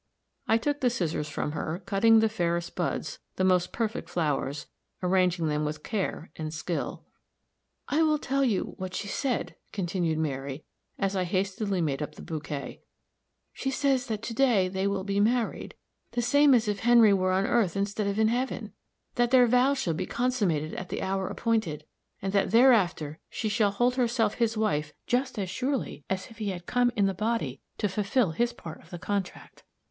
I took the scissors from her, cutting the fairest buds, the most perfect flowers, arranging them with care and skill. "I will tell you what she said," continued Mary, as I hastily made up the bouquet; "she says that to day they will be married, the same as if Henry were on earth instead of in heaven; that their vows shall be consummated at the hour appointed, and that thereafter she shall hold herself his wife just as surely as if he had come in the body to fulfill his part of the contract.